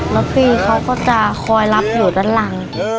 แล้วพี่เขาก็จะคอยรับอยู่ด้านหลัง